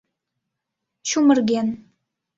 Чумырген